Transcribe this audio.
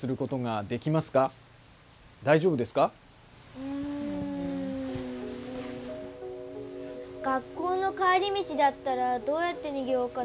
うん学校の帰り道だったらどうやって逃げようかな。